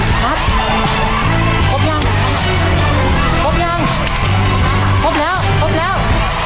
พบหยังพบยังพบแล้วพบแล้ว